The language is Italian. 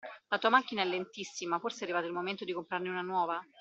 La tua macchina è lentissima, forse è arrivato il momento di comprarne una nuova.